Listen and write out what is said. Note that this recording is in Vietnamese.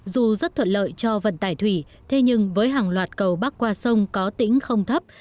dù rất thuận lợi cho vận tải thủy thế nhưng với hàng loạt cầu bắc qua sông có tỉnh không thấp